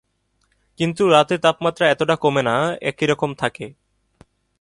কিন্তু রাতের তাপমাত্রা এতটা কমে না, একইরকম থাকে।